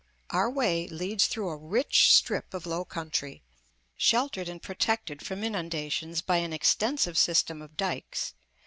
Our way loads through a rich strip of low country, sheltered and protected from inundations by an extensive system of dykes.